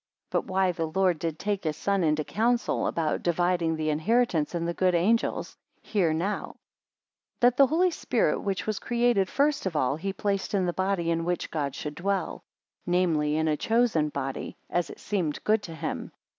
But why the lord did take his son into counsel, about dividing the inheritance, and the good angels, hear now. 54 That Holy Spirit, which was created first of all, he placed in the body in which God should dwell; namely, in a chosen body, as it seemed good to him.